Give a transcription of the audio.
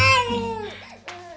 jangan nangis ya